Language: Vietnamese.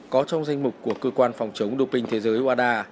có trong danh mục của cơ quan phòng chống đột bình thế giới wada